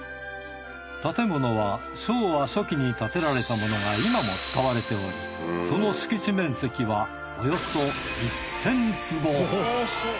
建物は昭和初期に建てられたものが今も使われておりその敷地面積はおよそ１，０００坪。